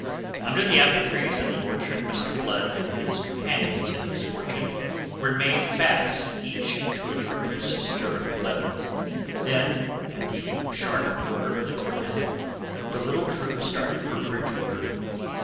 Under the apple trees in the orchard Mr. Blood and his companions in misfortune were made fast each to a trooper's stirrup leather. Then at the sharp order of the cornet, the little troop started for Bridgewater.